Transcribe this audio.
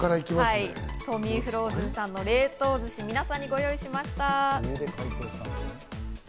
トーミン・フローズンさんの冷凍寿司を皆さんにご用意しました。